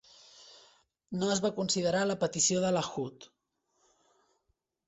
No es va considerar la petició de Lahoud.